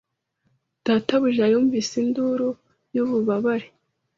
Databuja yunvise induru yububabare